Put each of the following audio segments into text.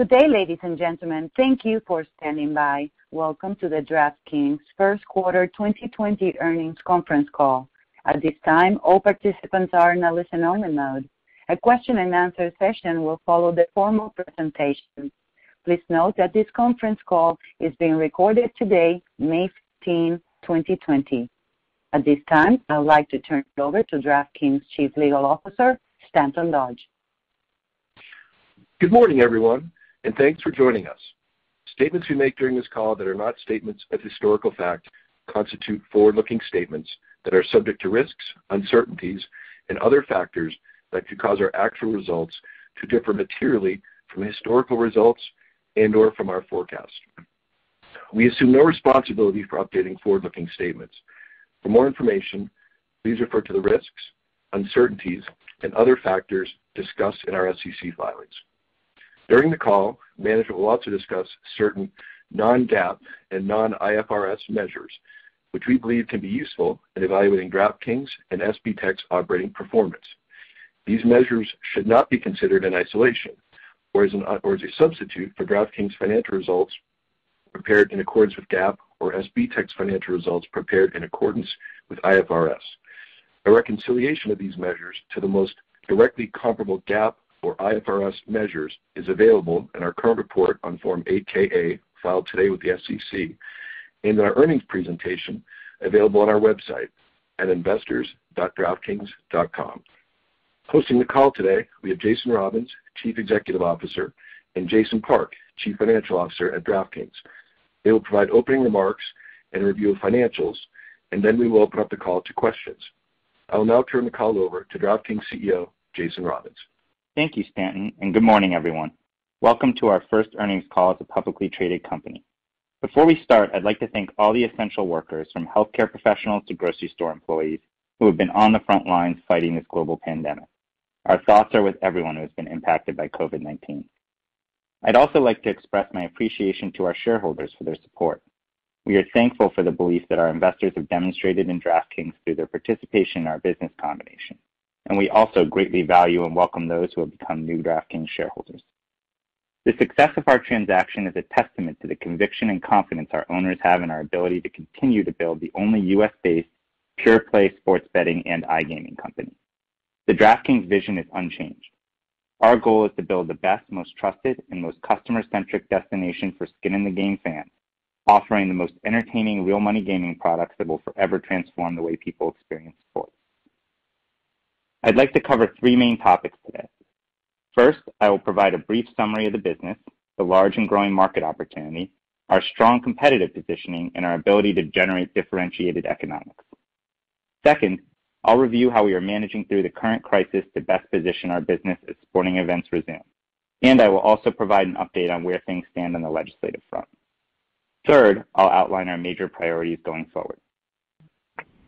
Good day, ladies and gentlemen. Thank you for standing by. Welcome to the DraftKings First Quarter 2020 Earnings Conference Call. At this time, all participants are in a listen-only mode. A question-and-answer session will follow the formal presentation. Please note that this conference call is being recorded today, May 15th, 2020. At this time, I would like to turn it over to DraftKings Chief Legal Officer, Stanton Dodge. Good morning, everyone, and thanks for joining us. Statements we make during this call that are not statements of historical fact constitute forward-looking statements that are subject to risks, uncertainties and other factors that could cause our actual results to differ materially from historical results and or from our forecast. We assume no responsibility for updating forward-looking statements. For more information, please refer to the risks, uncertainties, and other factors discussed in our SEC filings. During the call, management will also discuss certain non-GAAP and non-IFRS measures, which we believe can be useful in evaluating DraftKings and SBTech's operating performance. These measures should not be considered in isolation or as a substitute for DraftKings financial results prepared in accordance with GAAP or SBTech's financial results prepared in accordance with IFRS. A reconciliation of these measures to the most directly comparable GAAP or IFRS measures is available in our current report on Form 8-K filed today with the SEC in our earnings presentation available on our website at investors.draftkings.com. Hosting the call today, we have Jason Robins, Chief Executive Officer, and Jason Park, Chief Financial Officer at DraftKings. They will provide opening remarks and review of financials, and then we will open up the call to questions. I will now turn the call over to DraftKings CEO, Jason Robins. Thank you, Stanton, and good morning, everyone. Welcome to our first earnings call as a publicly traded company. Before we start, I'd like to thank all the essential workers from healthcare professionals to grocery store employees who have been on the front lines fighting this global pandemic. Our thoughts are with everyone who has been impacted by COVID-19. I'd also like to express my appreciation to our shareholders for their support. We are thankful for the belief that our investors have demonstrated in DraftKings through their participation in our business combination, and we also greatly value and welcome those who have become new DraftKings shareholders. The success of our transaction is a testament to the conviction and confidence our owners have in our ability to continue to build the only U.S.-based pure-play sports betting and iGaming company. The DraftKings vision is unchanged. Our goal is to build the best, most trusted, and most customer-centric destination for skin in the game fans, offering the most entertaining real money gaming products that will forever transform the way people experience sports. I'd like to cover three main topics today. First, I will provide a brief summary of the business, the large and growing market opportunity, our strong competitive positioning, and our ability to generate differentiated economics. Second, I'll review how we are managing through the current crisis to best position our business as sporting events resume, and I will also provide an update on where things stand on the legislative front. Third, I'll outline our major priorities going forward.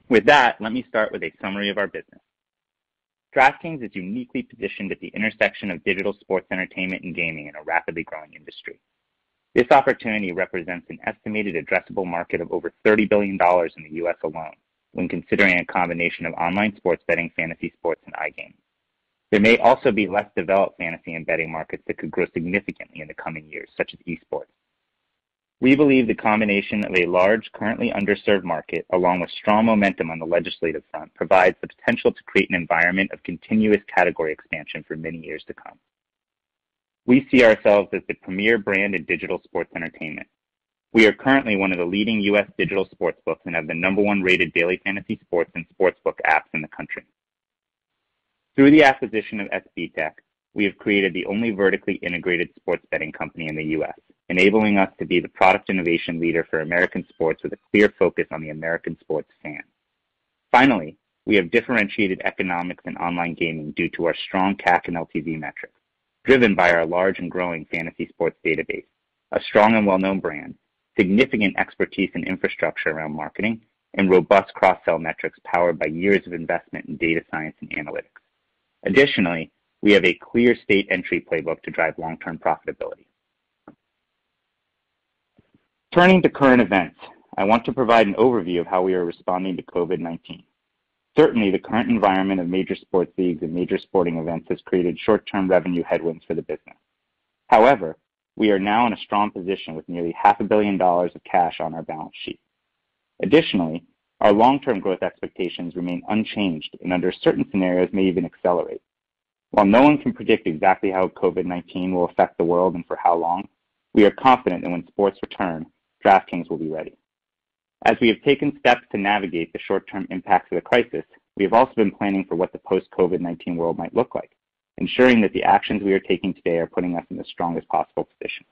With that, let me start with a summary of our business. DraftKings is uniquely positioned at the intersection of digital sports entertainment and gaming in a rapidly growing industry. This opportunity represents an estimated addressable market of over $30 billion in the U.S. alone when considering a combination of online sports betting, fantasy sports, and iGaming. There may also be less developed fantasy and betting markets that could grow significantly in the coming years, such as esports. We believe the combination of a large, currently underserved market, along with strong momentum on the legislative front, provides the potential to create an environment of continuous category expansion for many years to come. We see ourselves as the premier brand in digital sports entertainment. We are currently one of the leading U.S. digital sportsbooks and have the number one rated daily fantasy sports and sportsbook apps in the country. Through the acquisition of SBTech, we have created the only vertically integrated sports betting company in the U.S., enabling us to be the product innovation leader for American sports with a clear focus on the American sports fan. Finally, we have differentiated economics and online gaming due to our strong CAC and LTV metrics, driven by our large and growing fantasy sports database, a strong and well-known brand, significant expertise and infrastructure around marketing, and robust cross-sell metrics powered by years of investment in data science and analytics. Additionally, we have a clear state entry playbook to drive long-term profitability. Turning to current events, I want to provide an overview of how we are responding to COVID-19. Certainly, the current environment of major sports leagues and major sporting events has created short-term revenue headwinds for the business. However, we are now in a strong position with nearly half a billion dollars of cash on our balance sheet. Additionally, our long-term growth expectations remain unchanged and, under certain scenarios may even accelerate. While no one can predict exactly how COVID-19 will affect the world and for how long, we are confident that when sports return, DraftKings will be ready. As we have taken steps to navigate the short-term impacts of the crisis, we have also been planning for what the post-COVID-19 world might look like, ensuring that the actions we are taking today are putting us in the strongest possible position.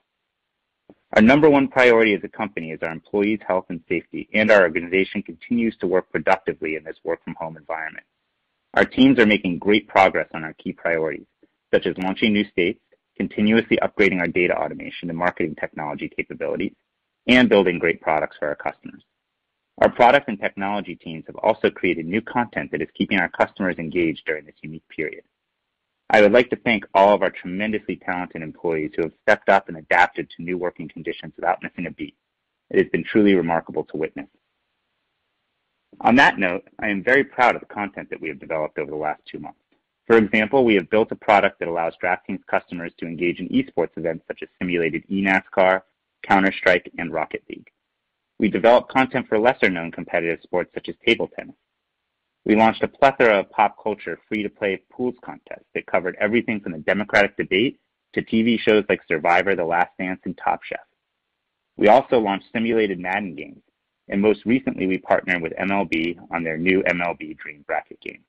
Our number one priority as a company is our employees' health and safety, and our organization continues to work productively in this work-from-home environment. Our teams are making great progress on our key priorities, such as launching new states, continuously upgrading our data automation and marketing technology capabilities, and building great products for our customers. Our product and technology teams have also created new content that is keeping our customers engaged during this unique period. I would like to thank all of our tremendously talented employees who have stepped up and adapted to new working conditions without missing a beat. It has been truly remarkable to witness. On that note, I am very proud of the content that we have developed over the last two months. For example, we have built a product that allows DraftKings customers to engage in esports events such as simulated eNASCAR, Counter-Strike, and Rocket League. We developed content for lesser-known competitive sports such as table tennis. We launched a plethora of pop culture free-to-play pools contests that covered everything from the Democratic debate to TV shows like Survivor, The Last Dance, and Top Chef. We also launched simulated Madden games, and most recently, we partnered with MLB on their new MLB Dream Bracket game.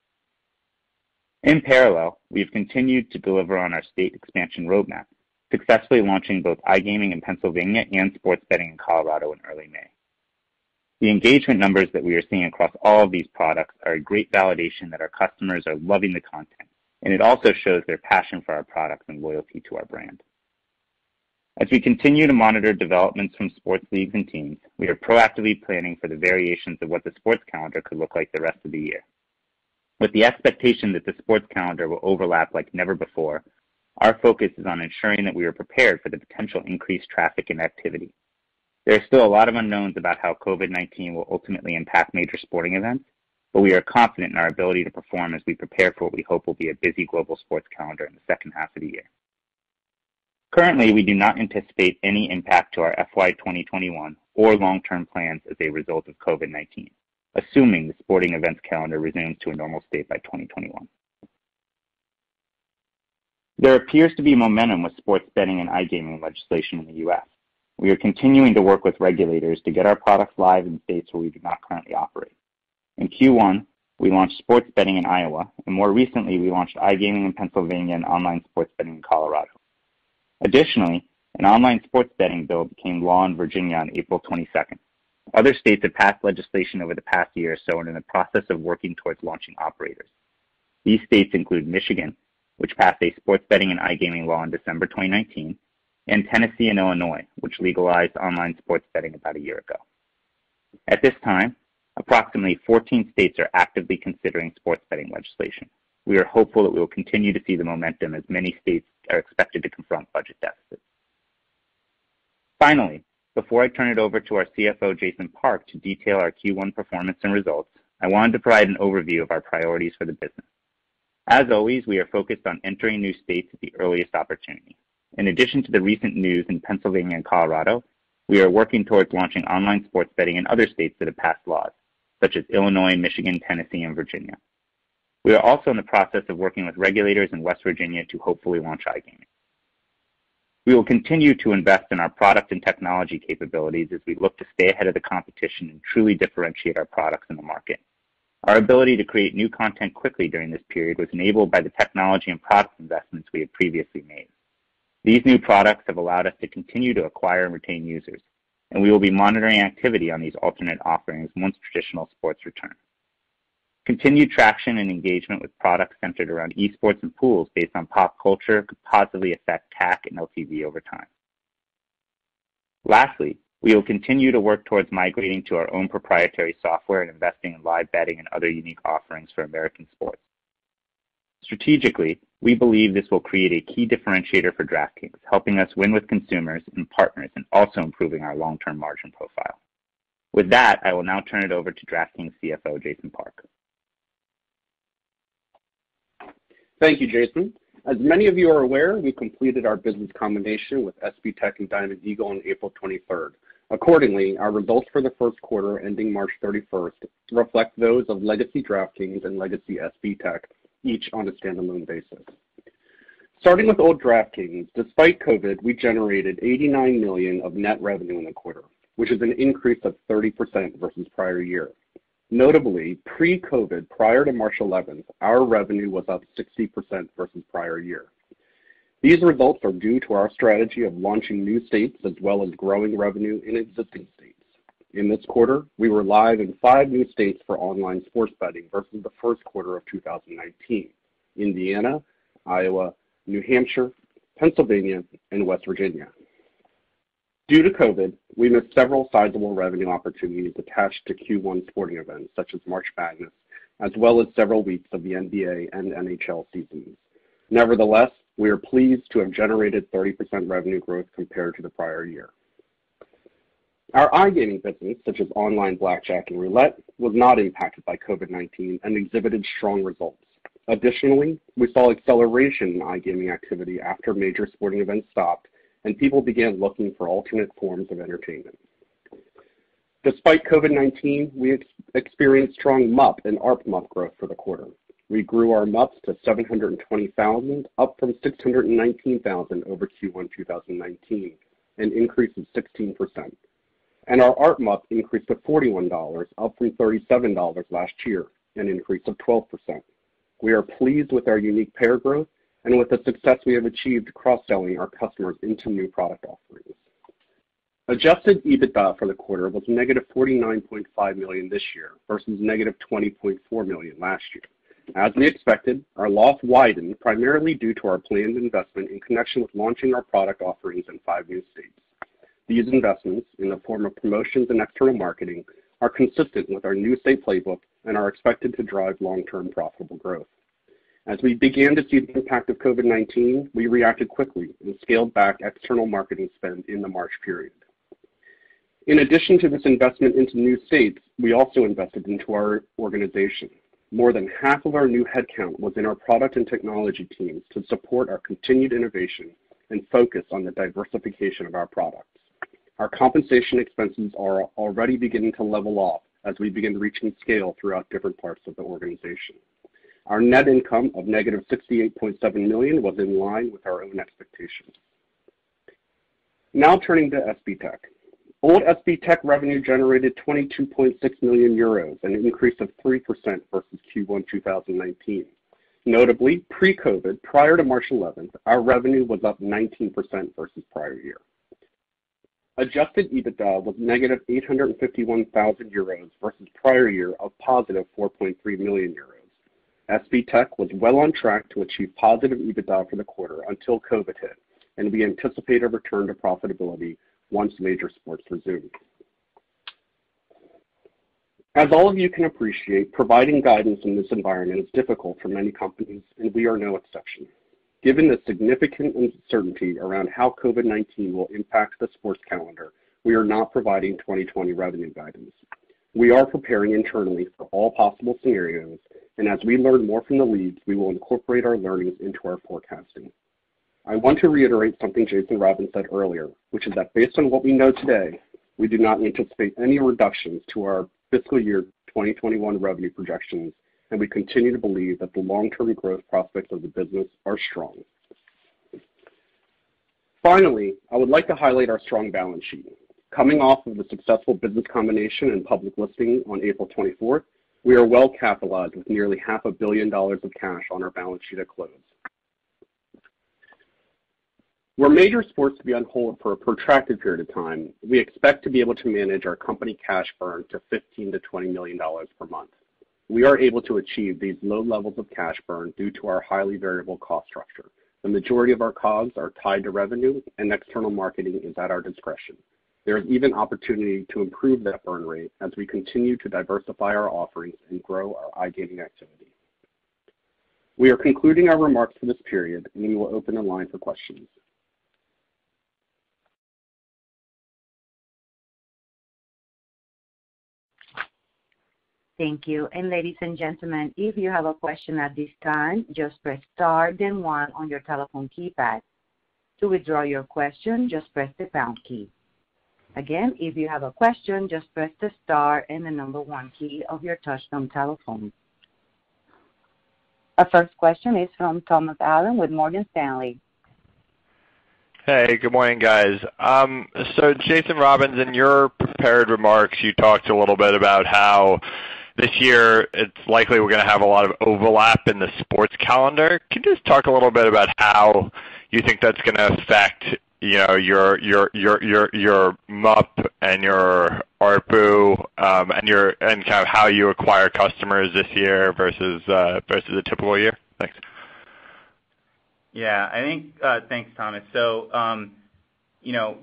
In parallel, we have continued to deliver on our state expansion roadmap, successfully launching both iGaming in Pennsylvania and sports betting in Colorado in early May. The engagement numbers that we are seeing across all of these products are a great validation that our customers are loving the content, and it also shows their passion for our products and loyalty to our brand. As we continue to monitor developments from sports leagues and teams, we are proactively planning for the variations of what the sports calendar could look like the rest of the year. With the expectation that the sports calendar will overlap like never before, our focus is on ensuring that we are prepared for the potential increased traffic and activity. There are still a lot of unknowns about how COVID-19 will ultimately impact major sporting events, but we are confident in our ability to perform as we prepare for what we hope will be a busy global sports calendar in the second half of the year. Currently, we do not anticipate any impact to our FY 2021 or long-term plans as a result of COVID-19, assuming the sporting events calendar resumes to a normal state by 2021. There appears to be momentum with sports betting and iGaming legislation in the U.S. We are continuing to work with regulators to get our products live in states where we do not currently operate. In Q1, we launched sports betting in Iowa, and more recently, we launched iGaming in Pennsylvania and online sports betting in Colorado. Additionally, an online sports betting bill became law in Virginia on April 22nd. Other states have passed legislation over the past year or so and are in the process of working towards launching operators. These states include Michigan, which passed a sports betting and iGaming law in December 2019, and Tennessee and Illinois, which legalized online sports betting about a year ago. At this time, approximately 14 states are actively considering sports betting legislation. We are hopeful that we will continue to see the momentum as many states are expected to confront budget deficits. Finally, before I turn it over to our CFO, Jason Park, to detail our Q1 performance and results, I wanted to provide an overview of our priorities for the business. As always, we are focused on entering new states at the earliest opportunity. In addition to the recent news in Pennsylvania and Colorado, we are working towards launching online sports betting in other states that have passed laws, such as Illinois, Michigan, Tennessee, and Virginia. We are also in the process of working with regulators in West Virginia to hopefully launch iGaming. We will continue to invest in our product and technology capabilities as we look to stay ahead of the competition and truly differentiate our products in the market. Our ability to create new content quickly during this period was enabled by the technology and product investments we had previously made. These new products have allowed us to continue to acquire and retain users, and we will be monitoring activity on these alternate offerings once traditional sports return. Continued traction and engagement with products centered around esports and pools based on pop culture could positively affect CAC and LTV over time. Lastly, we will continue to work towards migrating to our own proprietary software and investing in live betting and other unique offerings for American sports. Strategically, we believe this will create a key differentiator for DraftKings, helping us win with consumers and partners, and also improving our long-term margin profile. With that, I will now turn it over to DraftKings CFO, Jason Park. Thank you, Jason. As many of you are aware, we completed our business combination with SBTech and Diamond Eagle on April 23rd. Accordingly, our results for the first quarter ending March 31st reflect those of legacy DraftKings and legacy SBTech, each on a standalone basis. Starting with old DraftKings, despite COVID, we generated $89 million of net revenue in the quarter, which is an increase of 30% versus prior year. Notably, pre-COVID, prior to March 11th, our revenue was up 60% versus prior year. These results are due to our strategy of launching new states as well as growing revenue in existing states. In this quarter, we were live in five new states for online sports betting versus the first quarter of 2019: Indiana, Iowa, New Hampshire, Pennsylvania, and West Virginia. Due to COVID, we missed several sizable revenue opportunities attached to Q1 sporting events, such as March Madness, as well as several weeks of the NBA and NHL seasons. Nevertheless, we are pleased to have generated 30% revenue growth compared to the prior year. Our iGaming business, such as online blackjack and roulette, was not impacted by COVID-19 and exhibited strong results. Additionally, we saw acceleration in iGaming activity after major sporting events stopped and people began looking for alternate forms of entertainment. Despite COVID-19, we experienced strong MUP and ARPMUP growth for the quarter. We grew our MUPs to 720,000, up from 619,000 over Q1 2019, an increase of 16%. Our ARPMUP increased to $41, up from $37 last year, an increase of 12%. We are pleased with our unique payer growth and with the success we have achieved cross-selling our customers into new product offerings. Adjusted EBITDA for the quarter was -$49.5 million this year versus -$20.4 million last year. As we expected, our loss widened primarily due to our planned investment in connection with launching our product offerings in five new states. These investments, in the form of promotions and external marketing, are consistent with our new state playbook and are expected to drive long-term profitable growth. As we began to see the impact of COVID-19, we reacted quickly and scaled back external marketing spend in the March period. In addition to this investment into new states, we also invested into our organization. More than half of our new headcount was in our product and technology teams to support our continued innovation and focus on the diversification of our products. Our compensation expenses are already beginning to level off as we begin reaching scale throughout different parts of the organization. Our net income of -$68.7 million was in line with our own expectations. Now turning to SBTech. Old SBTech revenue generated 22.6 million euros, an increase of 3% versus Q1 2019. Notably, pre-COVID, prior to March 11, our revenue was up 19% versus prior year. Adjusted EBITDA was - 851,000 euros versus prior year of +4.3 million euros. SBTech was well on track to achieve positive EBITDA for the quarter until COVID hit, and we anticipate a return to profitability once major sports resume. As all of you can appreciate, providing guidance in this environment is difficult for many companies, and we are no exception. Given the significant uncertainty around how COVID-19 will impact the sports calendar, we are not providing 2020 revenue guidance. We are preparing internally for all possible scenarios. As we learn more from the leagues, we will incorporate our learnings into our forecasting. I want to reiterate something Jason Robins said earlier, which is that based on what we know today, we do not anticipate any reductions to our fiscal year 2021 revenue projections, and we continue to believe that the long-term growth prospects of the business are strong. Finally, I would like to highlight our strong balance sheet. Coming off of the successful business combination and public listing on April 24th, we are well-capitalized with nearly half a billion dollars of cash on our balance sheet at close. Were major sports to be on hold for a protracted period of time, we expect to be able to manage our company cash burn to $15 million-$20 million per month. We are able to achieve these low levels of cash burn due to our highly variable cost structure. The majority of our costs are tied to revenue and external marketing is at our discretion. There is even opportunity to improve that burn rate as we continue to diversify our offerings and grow our iGaming activity. We are concluding our remarks for this period, and we will open the line for questions. Thank you. Ladies and gentlemen, if you have a question at this time, just press star then one on your telephone keypad. To withdraw your question, just press the pound key. Again, if you have a question, just press the star and the number one key of your touchtone telephone. Our first question is from Thomas Allen with Morgan Stanley. Hey, good morning, guys. Jason Robins, in your prepared remarks, you talked a little bit about how this year it's likely we're gonna have a lot of overlap in the sports calendar. Can you just talk a little bit about how you think that's gonna affect, you know, your MUP and your ARPU, and kind of how you acquire customers this year versus a typical year? Thanks. Yeah, I think, thanks, Thomas. You know,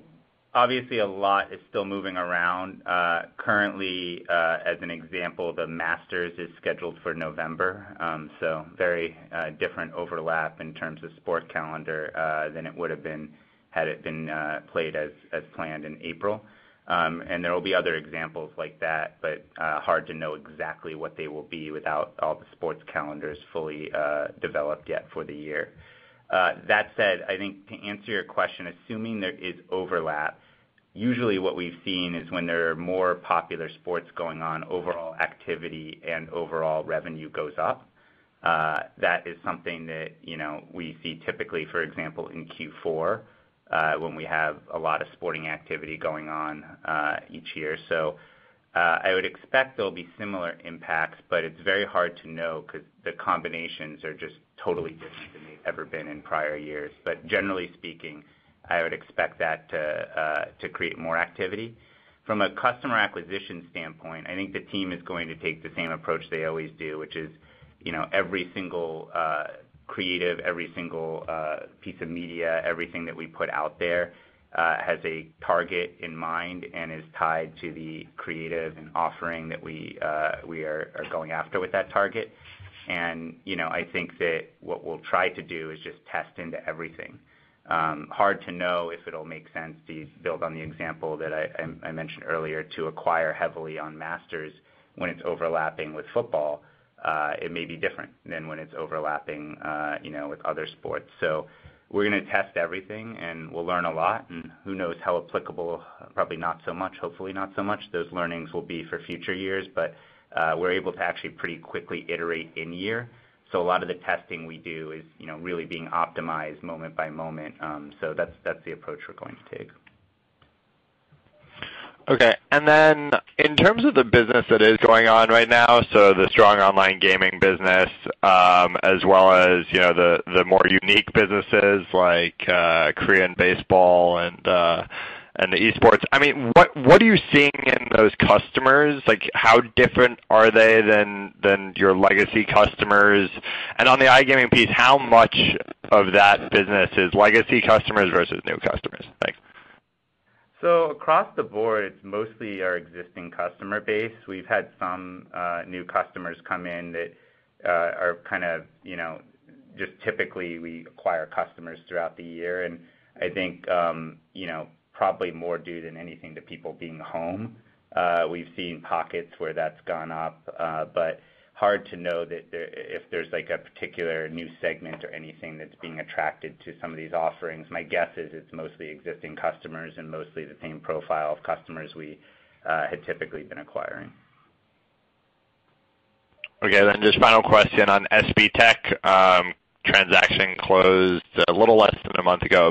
obviously a lot is still moving around. Currently, as an example, The Masters Tournament is scheduled for November, so very different overlap in terms of sports calendar than it would have been had it been played as planned in April. There will be other examples like that, but hard to know exactly what they will be without all the sports calendars fully developed yet for the year. That said, I think to answer your question, assuming there is overlap, usually what we've seen is when there are more popular sports going on, overall activity and overall revenue goes up. That is something that, you know, we see typically, for example, in Q4, when we have a lot of sporting activity going on each year. I would expect there'll be similar impacts, but it's very hard to know 'cause the combinations are just totally different than they've ever been in prior years. Generally speaking, I would expect that to create more activity. From a customer acquisition standpoint, I think the team is going to take the same approach they always do, which is, you know, every single creative, every single piece of media, everything that we put out there, has a target in mind and is tied to the creative and offering that we are going after with that target. You know, I think that what we'll try to do is just test into everything. Hard to know if it'll make sense to build on the example that I mentioned earlier to acquire heavily on Masters when it's overlapping with football. It may be different than when it's overlapping, you know, with other sports. We're gonna test everything, and we'll learn a lot, and who knows how applicable, probably not so much, hopefully not so much, those learnings will be for future years. We're able to actually pretty quickly iterate in year. A lot of the testing we do is, you know, really being optimized moment by moment. That's the approach we're going to take. Okay. In terms of the business that is going on right now, the strong online gaming business, as well as, you know, the more unique businesses like Korean baseball and the esports. I mean, what are you seeing in those customers? Like, how different are they than your legacy customers? On the iGaming piece, how much of that business is legacy customers versus new customers? Thanks. Across the board, it's mostly our existing customer base. We've had some new customers come in that are kind of, you know, just typically we acquire customers throughout the year. I think, you know, probably more due than anything to people being home, we've seen pockets where that's gone up. Hard to know if there's like a particular new segment or anything that's being attracted to some of these offerings. My guess is it's mostly existing customers and mostly the same profile of customers we had typically been acquiring. Okay. Just final question on SBTech. Transaction closed a little less than a month ago.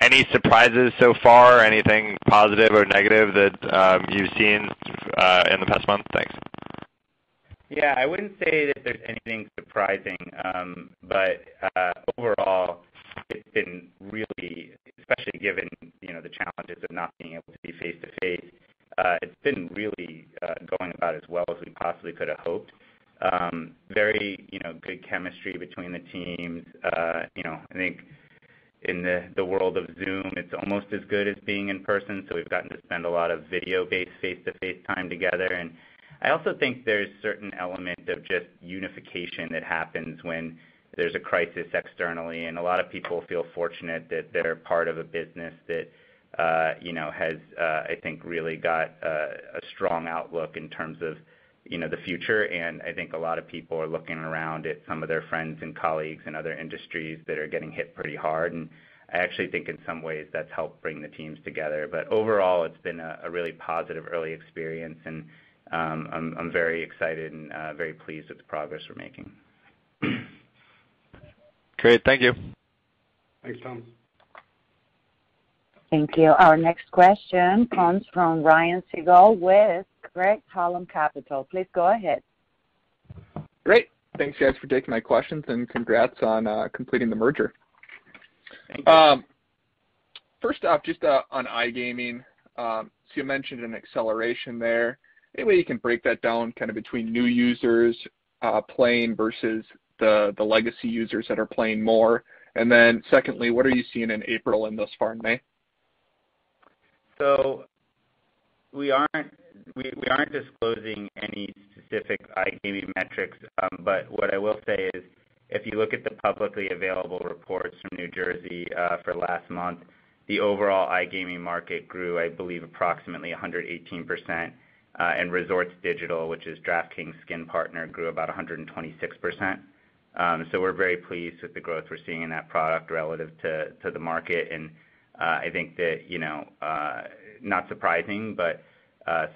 Any surprises so far? Anything positive or negative that you've seen in the past month? Thanks. Yeah. I wouldn't say that there's anything surprising. Overall, it's been really, especially given, you know, the challenges of not being able to be face to face, it's been really, going about as well as we possibly could have hoped. Very, you know, good chemistry between the teams. You know, I think in the world of Zoom, it's almost as good as being in person, so we've gotten to spend a lot of video-based face-to-face time together. I also think there's certain element of just unification that happens when there's a crisis externally, and a lot of people feel fortunate that they're part of a business that, you know, has, I think, really got, a strong outlook in terms of, you know, the future. I think a lot of people are looking around at some of their friends and colleagues in other industries that are getting hit pretty hard. I actually think in some ways that's helped bring the teams together. Overall, it's been a really positive early experience, I'm very excited and very pleased with the progress we're making. Great. Thank you. Thanks, Tom. Thank you. Our next question comes from Ryan Sigdahl with Craig-Hallum Capital. Please go ahead. Great. Thanks, guys, for taking my questions, and congrats on completing the merger. Thank you. First off, just on iGaming, you mentioned an acceleration there. Any way you can break that down kind of between new users playing versus the legacy users that are playing more? Secondly, what are you seeing in April and thus far in May? We aren't disclosing any specific iGaming metrics. What I will say is if you look at the publicly available reports from New Jersey for last month, the overall iGaming market grew, I believe, approximately 118%. Resorts Digital, which is DraftKings skin partner, grew about 126%. We're very pleased with the growth we're seeing in that product relative to the market. I think that, you know, not surprising, but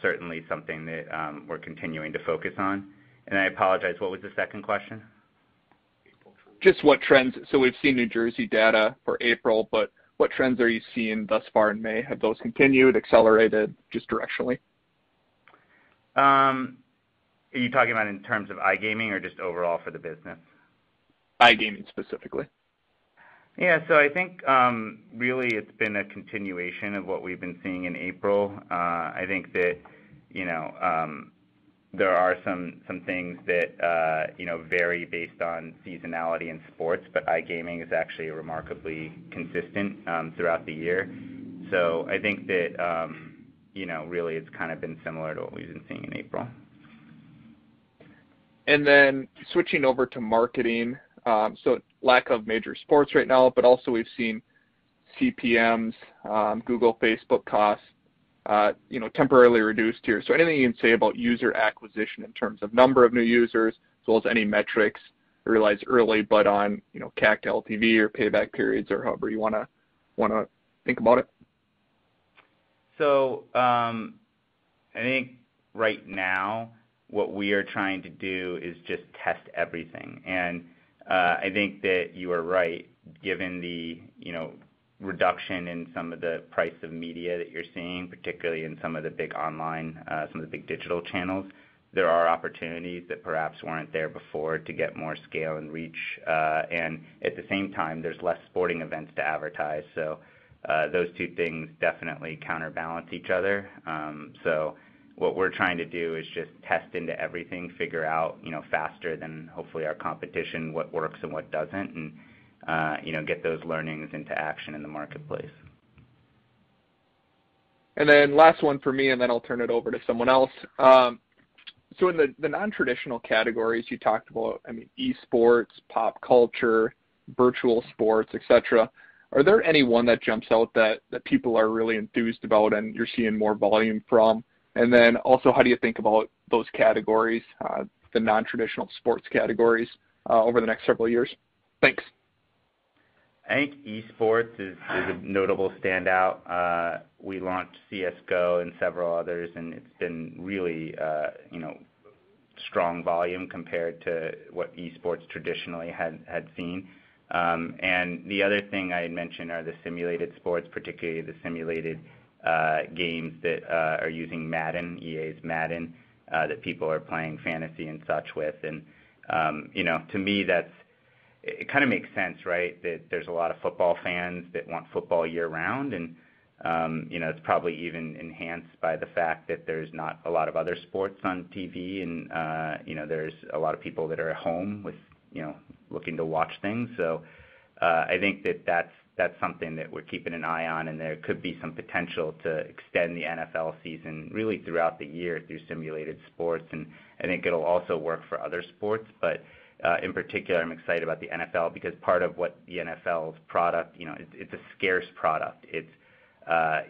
certainly something that we're continuing to focus on. I apologize, what was the second question? Just what trends we've seen New Jersey data for April, but what trends are you seeing thus far in May? Have those continued, accelerated, just directionally? Are you talking about in terms of iGaming or just overall for the business? iGaming specifically. Yeah. I think really, it's been a continuation of what we've been seeing in April. I think that, you know, there are some things that, you know, vary based on seasonality in sports, but iGaming is actually remarkably consistent throughout the year. I think that, you know, really it's kind of been similar to what we've been seeing in April. Switching over to marketing, lack of major sports right now, but also we've seen CPMs, Google, Facebook costs, you know, temporarily reduced here. Anything you can say about user acquisition in terms of number of new users, as well as any metrics, I realize early, but on, you know, CAC, LTV or payback periods or however you wanna think about it? I think right now what we are trying to do is just test everything. I think that you are right, given the, you know, reduction in some of the price of media that you're seeing, particularly in some of the big online, some of the big digital channels. There are opportunities that perhaps weren't there before to get more scale and reach. At the same time, there's less sporting events to advertise. Those two things definitely counterbalance each other. What we're trying to do is just test into everything, figure out, you know, faster than hopefully our competition, what works and what doesn't, you know, get those learnings into action in the marketplace. Last one for me, and then I'll turn it over to someone else. In the non-traditional categories you talked about, I mean, esports, pop culture, virtual sports, et cetera, are there any one that jumps out that people are really enthused about and you're seeing more volume from? Also, how do you think about those categories, the non-traditional sports categories, over the next several years? Thanks. I think esports is a notable standout. We launched CS:GO and several others, and it's been really, you know, strong volume compared to what esports traditionally had seen. The other thing I had mentioned are the simulated sports, particularly the simulated games that are using Madden, EA's Madden, that people are playing fantasy and such with. You know, to me, it kind of makes sense, right? That there's a lot of football fans that want football year-round, you know, it's probably even enhanced by the fact that there's not a lot of other sports on TV and, you know, there's a lot of people that are at home with, you know, looking to watch things. I think that that's something that we're keeping an eye on, and there could be some potential to extend the NFL season really throughout the year through simulated sports. I think it'll also work for other sports. In particular, I'm excited about the NFL because part of what the NFL's product, you know, it's a scarce product. It's,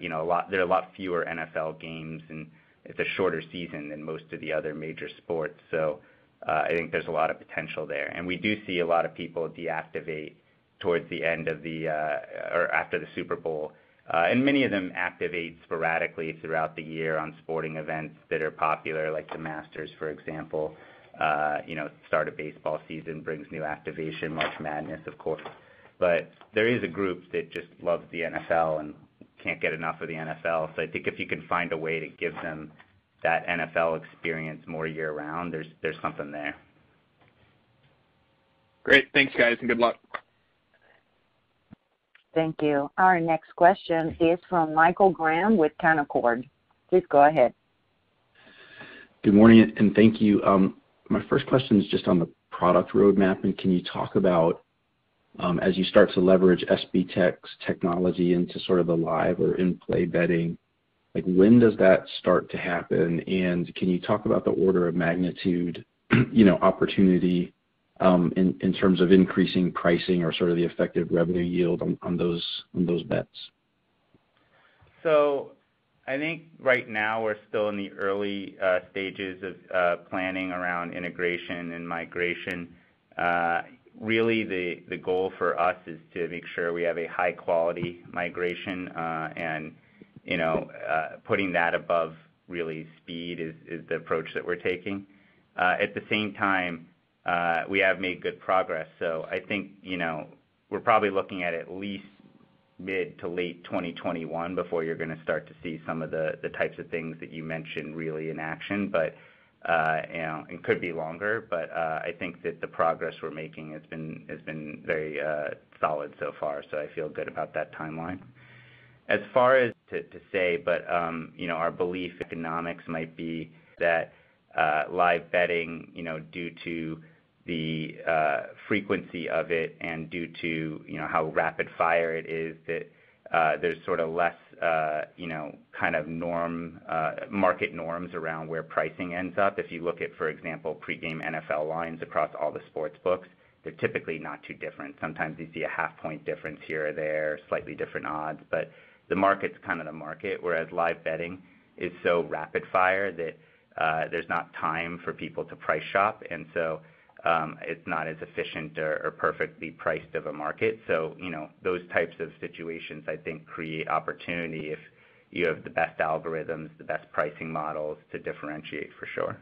you know, there are a lot fewer NFL games, and it's a shorter season than most of the other major sports. I think there's a lot of potential there. We do see a lot of people deactivate towards the end of the or after the Super Bowl. Many of them activate sporadically throughout the year on sporting events that are popular, like The Masters, for example. You know, start of baseball season brings new activation, March Madness, of course. There is a group that just loves the NFL and can't get enough of the NFL. I think if you can find a way to give them that NFL experience more year-round, there's something there. Great. Thanks, guys, and good luck. Thank you. Our next question is from Michael Graham with Canaccord. Please go ahead. Good morning, and thank you. My first question is just on the product roadmap, and can you talk about, as you start to leverage SBTech's technology into sort of the live or in-play betting, like, when does that start to happen? Can you talk about the order of magnitude, you know, opportunity, in terms of increasing pricing or sort of the effective revenue yield on those bets? I think right now we're still in the early stages of planning around integration and migration. Really the goal for us is to make sure we have a high-quality migration, and, you know, putting that above really speed is the approach that we're taking. At the same time, we have made good progress. I think, you know, we're probably looking at at least mid to late 2021 before you're gonna start to see some of the types of things that you mentioned really in action. You know, it could be longer, but I think that the progress we're making has been very solid so far. I feel good about that timeline. As far as to say, but, you know, our belief economics might be that live betting, you know, due to the frequency of it and due to, you know, how rapid fire it is, that there's sort of less, you know, kind of market norms around where pricing ends up. If you look at, for example, pre-game NFL lines across all the sportsbooks, they're typically not too different. Sometimes you see a half-point difference here or there, slightly different odds, but the market's kind of the market, whereas live betting is so rapid fire that there's not time for people to price shop. It's not as efficient or perfectly priced of a market. You know, those types of situations, I think, create opportunity if you have the best algorithms, the best pricing models to differentiate for sure.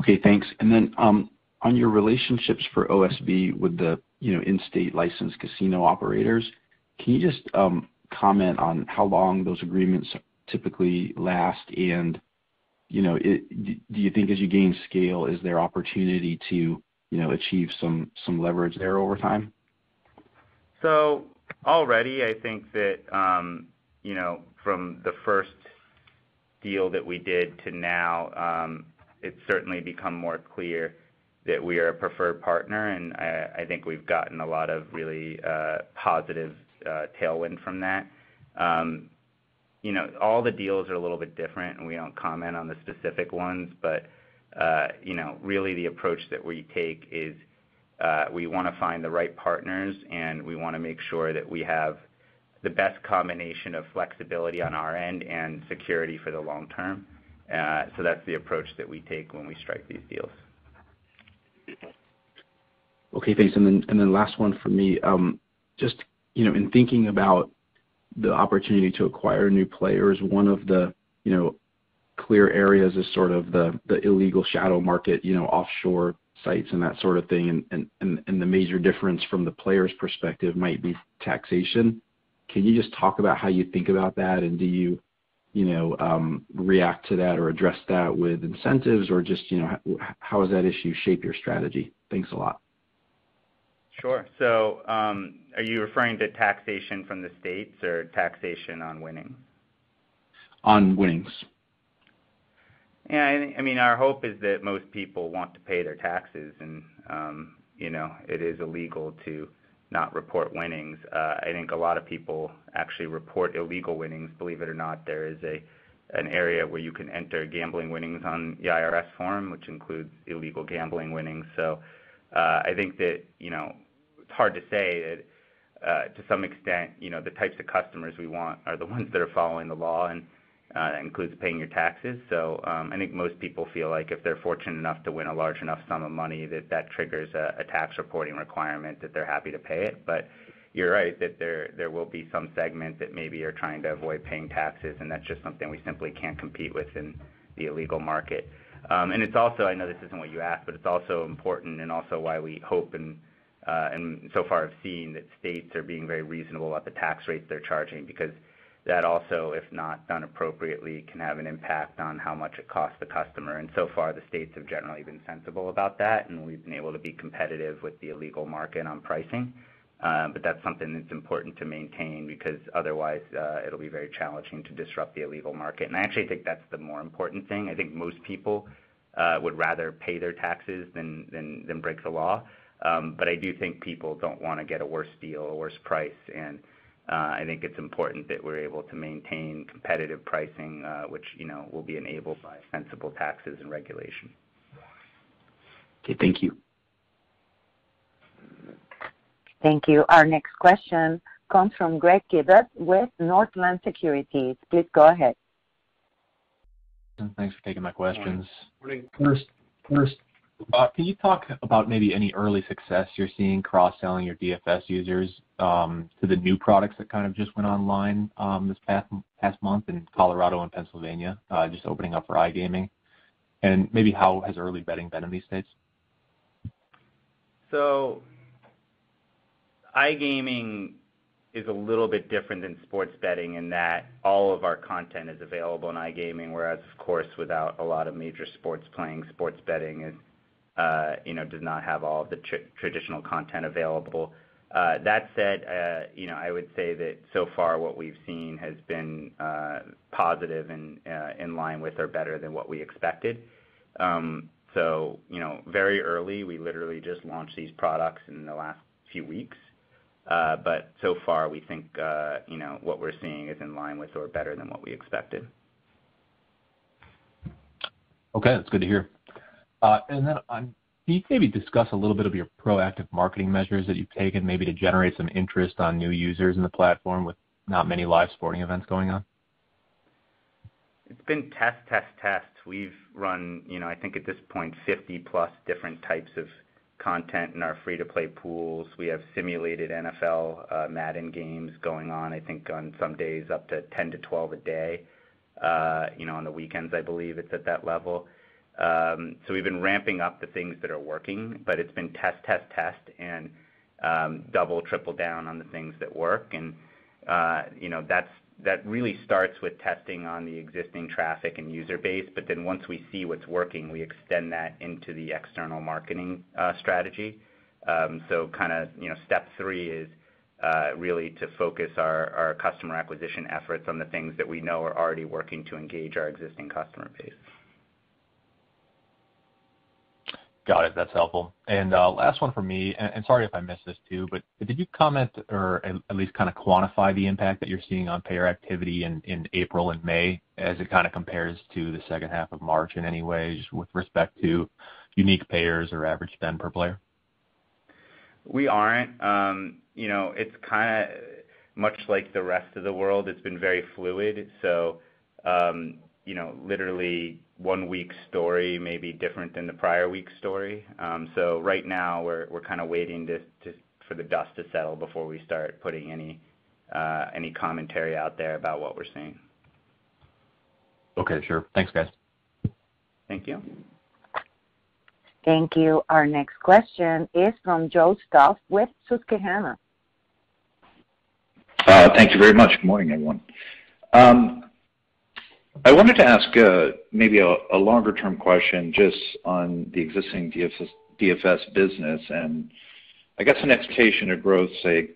Okay, thanks. Then, on your relationships for OSB with the, you know, in-state licensed casino operators, can you just comment on how long those agreements typically last? You know, do you think as you gain scale, is there opportunity to, you know, achieve some leverage there over time? Already, I think that, you know, from the first deal that we did to now, it's certainly become more clear that we are a preferred partner, and I think we've gotten a lot of really positive tailwind from that. You know, all the deals are a little bit different and we don't comment on the specific ones. You know, really the approach that we take is, we wanna find the right partners, and we wanna make sure that we have the best combination of flexibility on our end and security for the long term. That's the approach that we take when we strike these deals. Okay, thanks. Last one from me. Just, you know, in thinking about the opportunity to acquire new players, one of the, you know, clear areas is sort of the illegal shadow market, you know, offshore sites and that sort of thing. The major difference from the player's perspective might be taxation. Can you just talk about how you think about that, and do you know, react to that or address that with incentives? Just, you know, how does that issue shape your strategy? Thanks a lot. Sure. Are you referring to taxation from the states or taxation on winnings? On winnings. Yeah. I mean, our hope is that most people want to pay their taxes and, you know, it is illegal to not report winnings. I think a lot of people actually report illegal winnings. Believe it or not, there is an area where you can enter gambling winnings on the IRS form, which includes illegal gambling winnings. I think that, you know, it's hard to say. To some extent, you know, the types of customers we want are the ones that are following the law, and that includes paying your taxes. I think most people feel like if they're fortunate enough to win a large enough sum of money, that that triggers a tax reporting requirement, that they're happy to pay it. You're right, that there will be some segment that maybe are trying to avoid paying taxes, and that's just something we simply can't compete with in the illegal market. It's also, I know this isn't what you asked, but it's also important and also why we hope and so far have seen that states are being very reasonable about the tax rates they're charging because that also, if not done appropriately, can have an impact on how much it costs the customer. So far, the states have generally been sensible about that, and we've been able to be competitive with the illegal market on pricing. That's something that's important to maintain because otherwise, it'll be very challenging to disrupt the illegal market. I actually think that's the more important thing. I think most people would rather pay their taxes than break the law. I do think people don't wanna get a worse deal or a worse price and I think it's important that we're able to maintain competitive pricing, which, you know, will be enabled by sensible taxes and regulation. Okay. Thank you. Thank you. Our next question comes from Greg Gibas with Northland Securities. Please go ahead. Thanks for taking my questions. Hi. Morning. First, can you talk about maybe any early success you're seeing cross-selling your DFS users to the new products that kind of just went online this past month in Colorado and Pennsylvania, just opening up for iGaming? Maybe how has early betting been in these states? iGaming is a little bit different than sports betting in that all of our content is available in iGaming, whereas, of course, without a lot of major sports playing, sports betting is, you know, does not have all the traditional content available. That said, you know, I would say that so far what we've seen has been positive and in line with or better than what we expected. Very early. We literally just launched these products in the last few weeks. So far we think, you know, what we're seeing is in line with or better than what we expected. Okay, that's good to hear. Can you maybe discuss a little bit of your proactive marketing measures that you've taken maybe to generate some interest on new users in the platform with not many live sporting events going on? It's been test, test. We've run, you know, I think at this point, 50+ different types of content in our free-to-play pools. We have simulated NFL Madden games going on, I think on some days up to 10 to 12 a day. You know, on the weekends, I believe it's at that level. We've been ramping up the things that are working, but it's been test, test and double, triple down on the things that work. You know, that really starts with testing on the existing traffic and user base. Once we see what's working, we extend that into the external marketing strategy. Kinda, you know, step three is really to focus our customer acquisition efforts on the things that we know are already working to engage our existing customer base. Got it. That's helpful. Last one from me, and sorry if I missed this too, but did you comment or at least kinda quantify the impact that you're seeing on payer activity in April and May as it kinda compares to the second half of March in any way just with respect to unique payers or average spend per player? We aren't, you know, it's kinda, much like the rest of the world, it's been very fluid. You know, literally one week's story may be different than the prior week's story. right now we're kinda waiting for the dust to settle before we start putting any commentary out there about what we're seeing. Okay, sure. Thanks, guys. Thank you. Thank you. Our next question is from Joseph Stauff with Susquehanna. Thank you very much. Good morning, everyone. I wanted to ask maybe a longer-term question just on the existing DFS business and I guess an expectation of growth, say,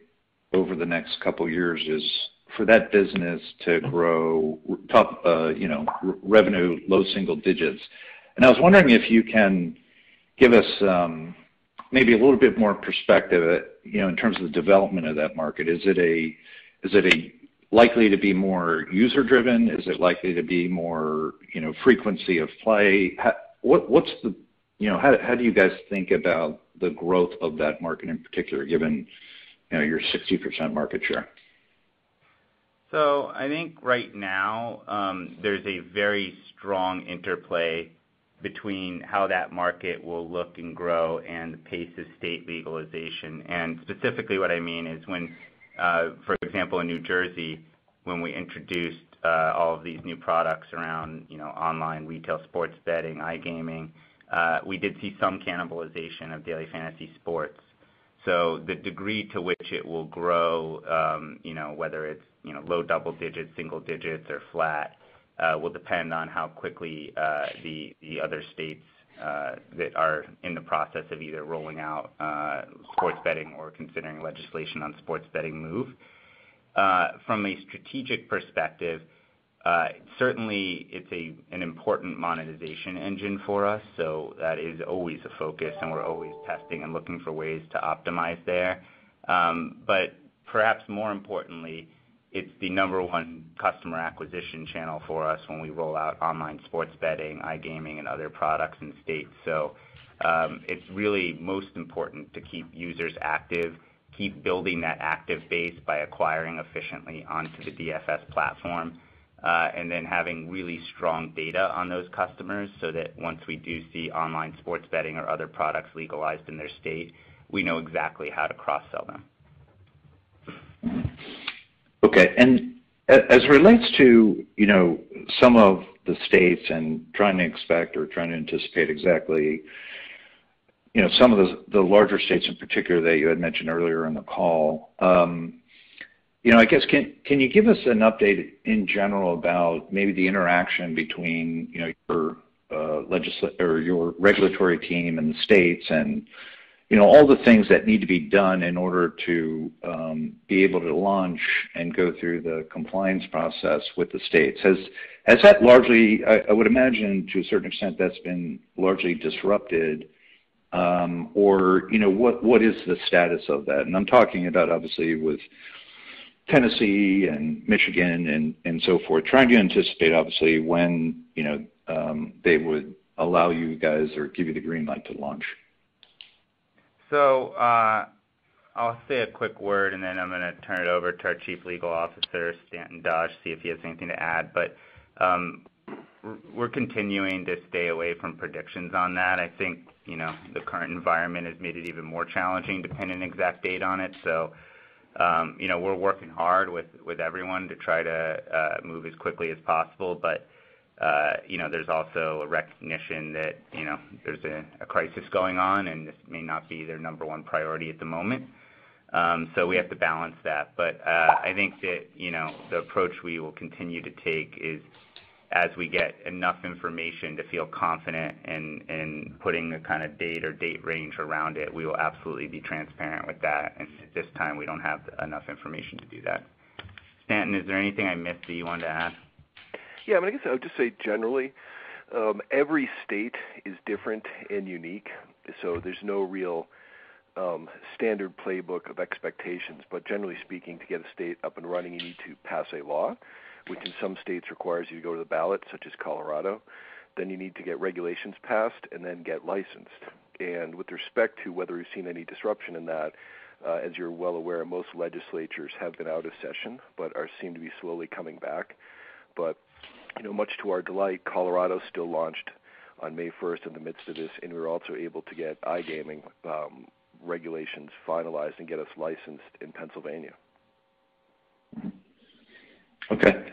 over the next couple years is for that business to grow revenue low single digits. I was wondering if you can give us maybe a little bit more perspective in terms of the development of that market. Is it likely to be more user-driven? Is it likely to be more frequency of play? How do you guys think about the growth of that market in particular, given your 60% market share? I think right now, there's a very strong interplay between how that market will look and grow and the pace of state legalization. Specifically, what I mean is when, for example, in New Jersey, when we introduced all of these new products around, you know, online retail sports betting, iGaming, we did see some cannibalization of daily fantasy sports. The degree to which it will grow, you know, whether it's, you know, low double digits, single digits or flat, will depend on how quickly the other states that are in the process of either rolling out sports betting or considering legislation on sports betting move. From a strategic perspective, certainly, it's an important monetization engine for us, so that is always a focus and we're always testing and looking for ways to optimize there. Perhaps more importantly, it's the number one customer acquisition channel for us when we roll out online sports betting, iGaming, and other products in states. It's really most important to keep users active, keep building that active base by acquiring efficiently onto the DFS platform, and then having really strong data on those customers so that once we do see online sports betting or other products legalized in their state, we know exactly how to cross-sell them. Okay. As relates to, you know, some of the states and trying to expect or trying to anticipate exactly, you know, some of the larger states in particular that you had mentioned earlier in the call, you know, I guess, can you give us an update in general about maybe the interaction between, you know, your or your regulatory team and the states and, you know, all the things that need to be done in order to be able to launch and go through the compliance process with the states? Has that largely I would imagine to a certain extent that's been largely disrupted, or, you know, what is the status of that? I'm talking about obviously with Tennessee and Michigan and so forth, trying to anticipate obviously when, you know, they would allow you guys or give you the green light to launch. I'll say a quick word, and then I'm gonna turn it over to our Chief Legal Officer, Stanton Dodge, see if he has anything to add. we're continuing to stay away from predictions on that. I think, you know, the current environment has made it even more challenging to pin an exact date on it. you know, we're working hard with everyone to try to move as quickly as possible. you know, there's also a recognition that, you know, there's been a crisis going on, and this may not be their number one priority at the moment. we have to balance that. I think that, you know, the approach we will continue to take is as we get enough information to feel confident in putting a kind of date or date range around it, we will absolutely be transparent with that. At this time, we don't have enough information to do that. Stanton, is there anything I missed that you wanted to add? I mean, I guess I would just say generally, every state is different and unique, so there's no real standard playbook of expectations. Generally speaking, to get a state up and running, you need to pass a law, which in some states requires you to go to the ballot, such as Colorado. You need to get regulations passed and then get licensed. With respect to whether we've seen any disruption in that, as you're well aware, most legislatures have been out of session but are seen to be slowly coming back. You know, much to our delight, Colorado still launched on May 1st in the midst of this, and we were also able to get iGaming regulations finalized and get us licensed in Pennsylvania. Okay.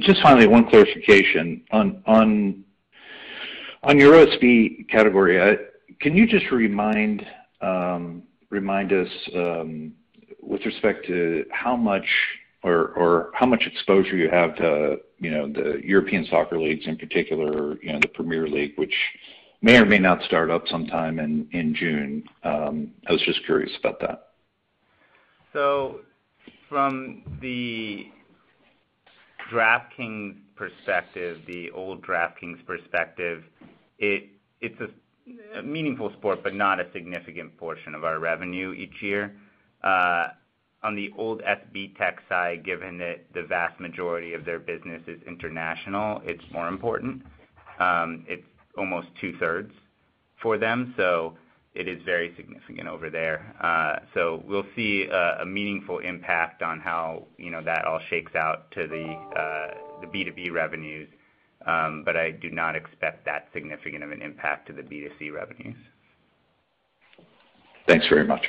Just finally one clarification. On your OSB category, can you just remind us with respect to how much or how much exposure you have to, you know, the European soccer leagues in particular, you know, the Premier League, which may or may not start up sometime in June. I was just curious about that. From the DraftKings perspective, the old DraftKings perspective, it is a meaningful sport, but not a significant portion of our revenue each year. On the old SBTech side, given that the vast majority of their business is international, it is more important. It is almost 2/3 for them, so it is very significant over there. We will see a meaningful impact on how, you know, that all shakes out to the B2B revenues. But I do not expect that significant of an impact to the B2C revenues. Thanks very much.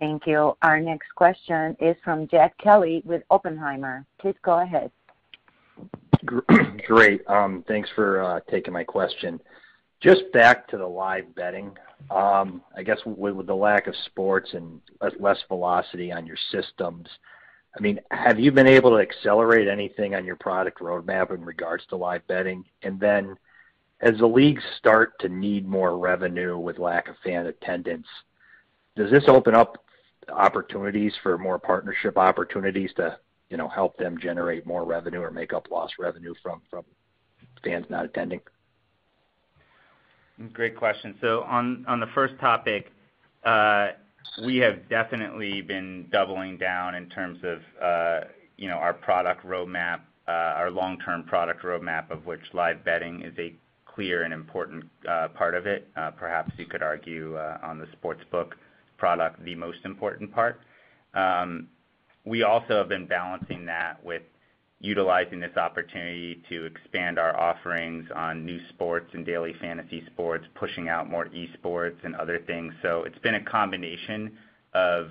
Thank you. Our next question is from Jed Kelly with Oppenheimer. Please go ahead. Great. Thanks for taking my question. Just back to the live betting, I guess with the lack of sports and less velocity on your systems, I mean, have you been able to accelerate anything on your product roadmap in regards to live betting? As the leagues start to need more revenue with lack of fan attendance, does this open up opportunities for more partnership opportunities to, you know, help them generate more revenue or make up lost revenue from fans not attending? Great question. On the first topic, we have definitely been doubling down in terms of, you know, our product roadmap, our long-term product roadmap, of which live betting is a clear and important part of it, perhaps you could argue on the sportsbook product, the most important part. We also have been balancing that with utilizing this opportunity to expand our offerings on new sports and daily fantasy sports, pushing out more esports and other things. It's been a combination of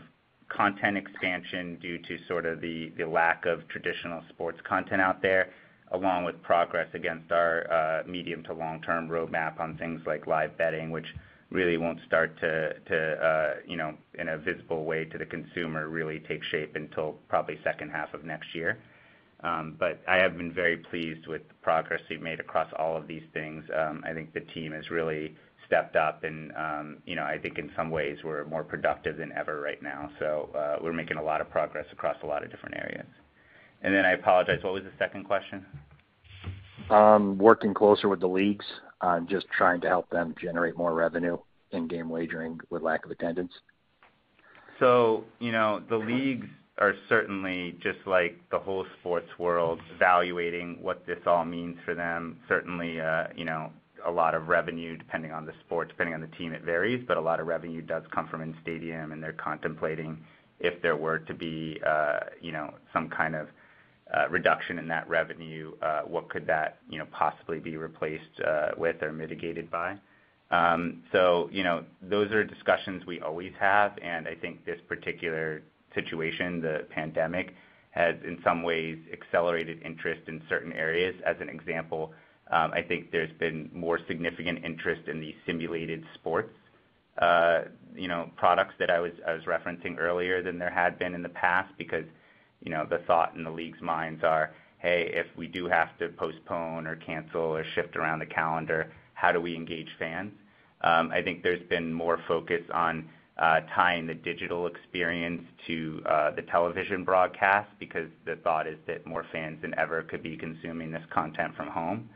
content expansion due to sort of the lack of traditional sports content out there, along with progress against our medium to long-term roadmap on things like live betting, which really won't start to, you know, in a visible way to the consumer really take shape until probably second half of next year. I have been very pleased with the progress we've made across all of these things. I think the team has really stepped up and, you know, I think in some ways we're more productive than ever right now. We're making a lot of progress across a lot of different areas. I apologize, what was the second question? Working closer with the leagues on just trying to help them generate more revenue in game wagering with lack of attendance. You know, the leagues are certainly just like the whole sports world, evaluating what this all means for them. Certainly, you know, a lot of revenue, depending on the sport, depending on the team, it varies, but a lot of revenue does come from in-stadium, and they're contemplating if there were to be, you know, some kind of reduction in that revenue, what could that, you know, possibly be replaced with or mitigated by? You know, those are discussions we always have, and I think this particular situation, the pandemic, has in some ways accelerated interest in certain areas. As an example, I think there's been more significant interest in the simulated sports, you know, products that I was referencing earlier than there had been in the past because, you know, the thought in the league's minds are, "Hey, if we do have to postpone or cancel or shift around the calendar, how do we engage fans?" I think there's been more focus on tying the digital experience to the television broadcast because the thought is that more fans than ever could be consuming this content from home.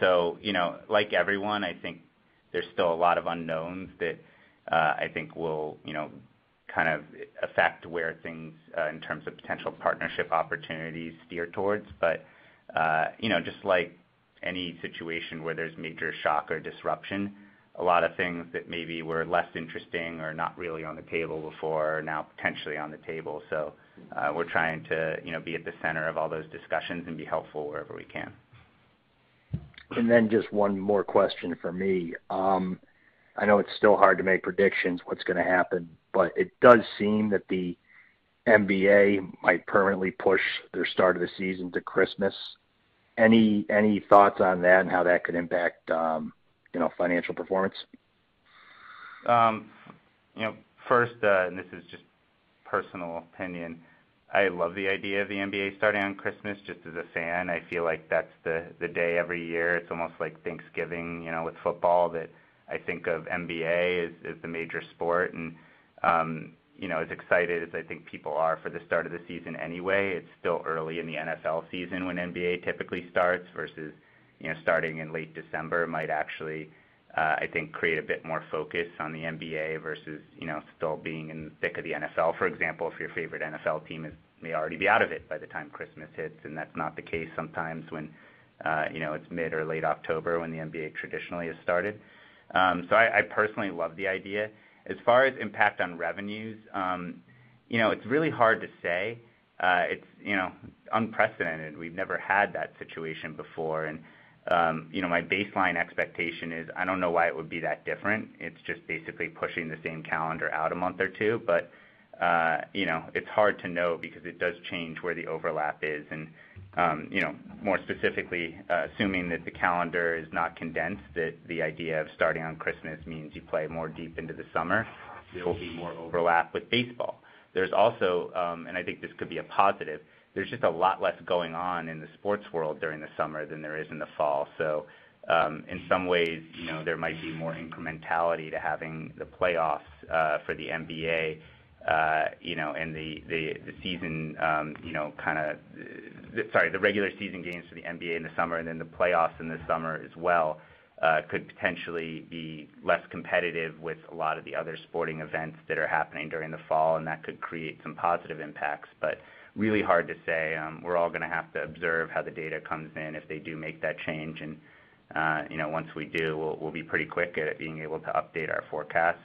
So, you know, like everyone, I think there's still a lot of unknowns that I think will, you know, kind of affect where things in terms of potential partnership opportunities steer towards. You know, just like any situation where there's major shock or disruption, a lot of things that maybe were less interesting or not really on the table before are now potentially on the table. We're trying to, you know, be at the center of all those discussions and be helpful wherever we can. Just one more question from me. I know it's still hard to make predictions what's gonna happen, but it does seem that the NBA might permanently push their start of the season to Christmas. Any thoughts on that and how that could impact, you know, financial performance? You know, first, and this is just personal opinion, I love the idea of the NBA starting on Christmas. Just as a fan, I feel like that's the day every year, it's almost like Thanksgiving, you know, with football, that I think of NBA as the major sport. You know, as excited as I think people are for the start of the season anyway, it's still early in the NFL season when NBA typically starts versus, you know, starting in late December might actually, I think, create a bit more focus on the NBA versus, you know, still being in the thick of the NFL. For example, if your favorite NFL team may already be out of it by the time Christmas hits, and that's not the case sometimes when, you know, it's mid or late October when the NBA traditionally has started. I personally love the idea. As far as impact on revenues, you know, it's really hard to say. It's, you know, unprecedented. We've never had that situation before. My baseline expectation is I don't know why it would be that different. It's just basically pushing the same calendar out a month or two. It's hard to know because it does change where the overlap is. More specifically, assuming that the calendar is not condensed, that the idea of starting on Christmas means you play more deep into the summer. There'll be more overlap with baseball. There's also, I think this could be a positive, there's just a lot less going on in the sports world during the summer than there is in the fall. In some ways, you know, there might be more incrementality to having the playoffs for the NBA, you know, and the, the season, you know, the regular season games for the NBA in the summer, and then the playoffs in the summer as well, could potentially be less competitive with a lot of the other sporting events that are happening during the fall, that could create some positive impacts. Really hard to say. We're all gonna have to observe how the data comes in if they do make that change. You know, once we do, we'll be pretty quick at being able to update our forecasts.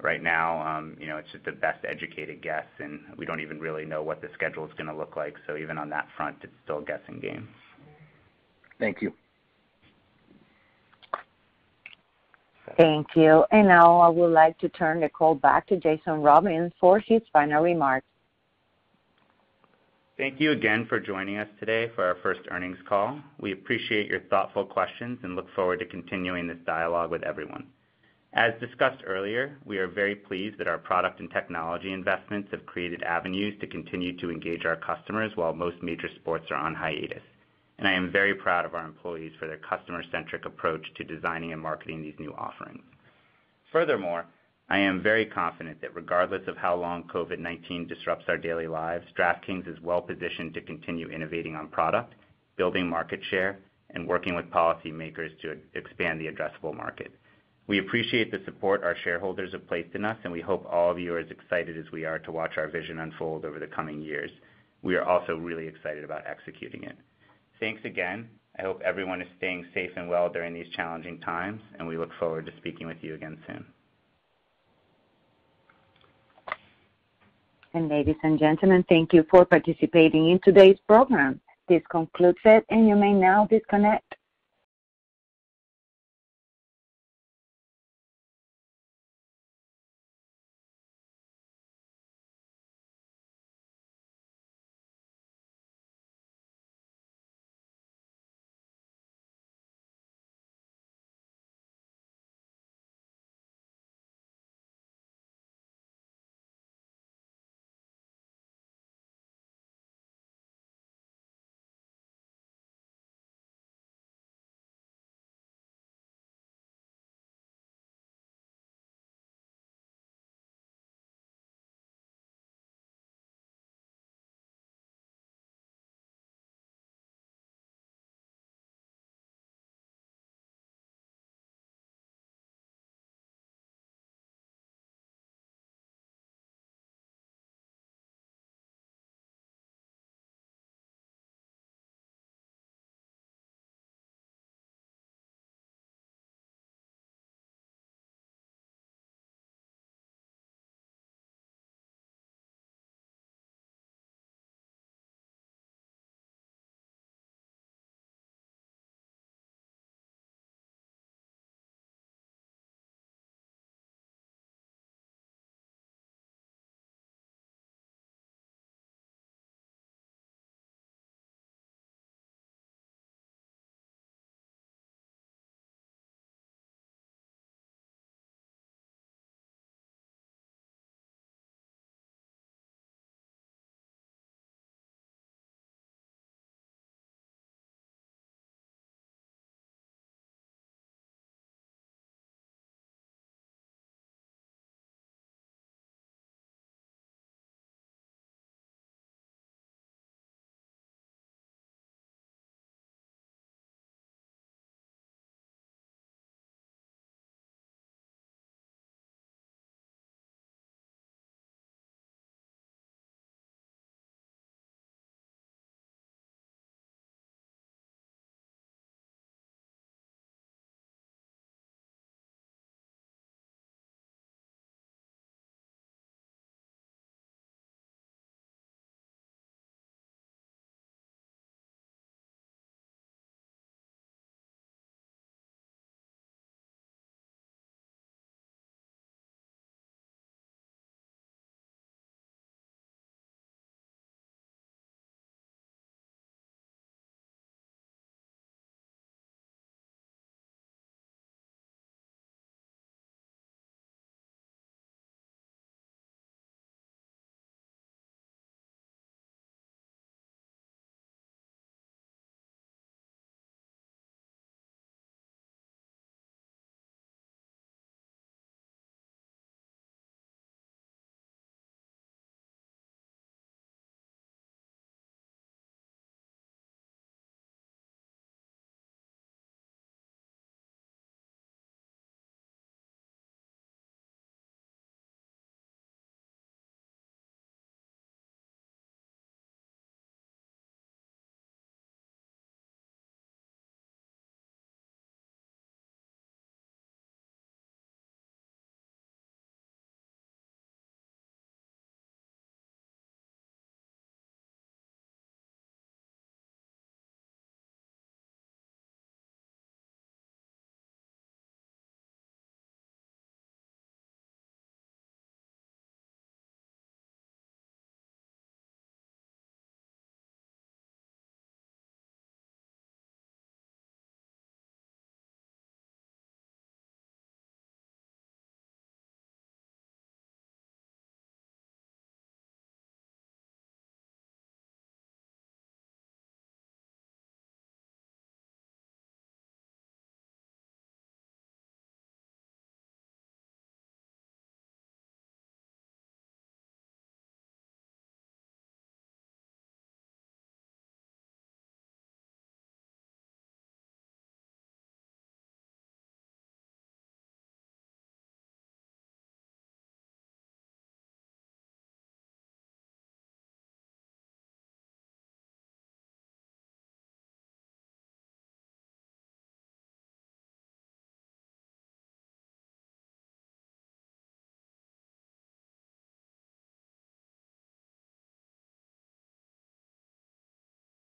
Right now, you know, it's just a best educated guess, and we don't even really know what the schedule's gonna look like. Even on that front, it's still a guessing game. Thank you. Thank you. Now I would like to turn the call back to Jason Robins for his final remarks. Thank you again for joining us today for our first earnings call. We appreciate your thoughtful questions and look forward to continuing this dialogue with everyone. As discussed earlier, we are very pleased that our product and technology investments have created avenues to continue to engage our customers while most major sports are on hiatus, and I am very proud of our employees for their customer-centric approach to designing and marketing these new offerings. Furthermore, I am very confident that regardless of how long COVID-19 disrupts our daily lives, DraftKings is well-positioned to continue innovating on product, building market share, and working with policymakers to expand the addressable market. We appreciate the support our shareholders have placed in us, and we hope all of you are as excited as we are to watch our vision unfold over the coming years. We are also really excited about executing it. Thanks again. I hope everyone is staying safe and well during these challenging times, and we look forward to speaking with you again soon. Ladies and gentlemen, thank you for participating in today's program. This concludes it, and you may now disconnect.